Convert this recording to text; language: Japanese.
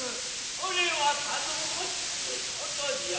それは頼もしい事じゃ。